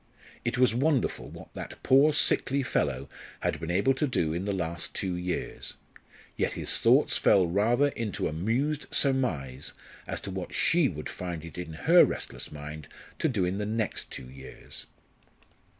It was wonderful what that poor sickly fellow had been able to do in the last two years; yet his thoughts fell rather into amused surmise as to what she would find it in her restless mind to do in the next two years.